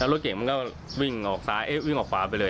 รถเก่งก็วิ่งกับเกือบขวาไปเลย